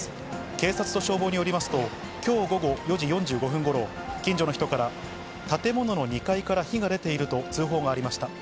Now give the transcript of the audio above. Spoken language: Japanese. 警察と消防によりますと、きょう午後４時４５分ごろ、近所の人から建物の２階から火が出ていると通報がありました。